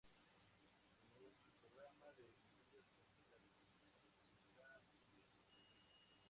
Un programa de medidas contra la deforestación se está asimismo diseñando.